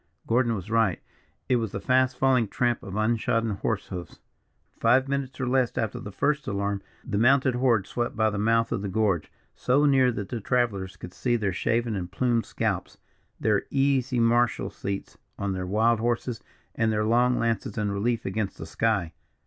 Gordon was right; it was the fast falling tramp of unshodden horse hoofs. Five minutes, or less, after the first alarm, the mounted horde swept by the mouth of the gorge, so near that the travellers could see their shaven and plumed scalps, their easy martial seats on their wild horses, and their long lances in relief against the sky.